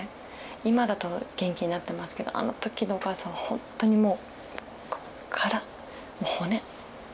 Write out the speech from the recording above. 今だと元気になってますけどあの時のお母さんはほんとにもう空骨。